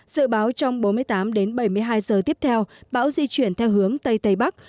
dự báo trong bốn mươi tám đến bảy mươi hai giờ tiếp theo bão di chuyển theo hướng tây tây bắc